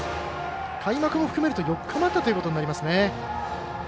開幕も含めると４日待ったことになりますね。